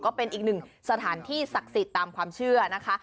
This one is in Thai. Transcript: ก็เป็นอีกหนึ่งสถานที่ศักดิ์สิทธิ์ตามความเชื่อนะคะ